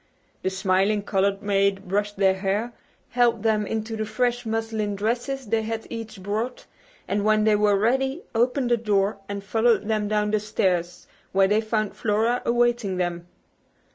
The smiling colored maid brushed their hair, helped them into the fresh muslin dresses they had each brought, and when they were ready opened the door and followed them down the stairs where they found Flora awaiting them.